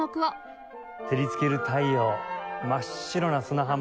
照りつける太陽真っ白な砂浜。